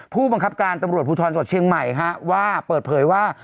ผู้บังคับการตำรวจภูทธรณะถดเชียงใหม่ฮะว่าเปิดเพลยว่า